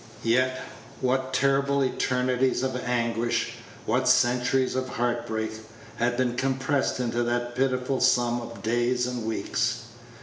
yet what terrible eternities of anguish, what centuries of heart break, had been compressed into that pitiful sum of days and weeks!